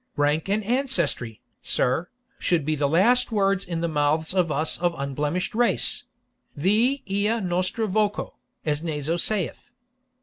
Rank and ancestry, sir, should be the last words in the mouths of us of unblemished race vix ea nostra voco, as Naso saith.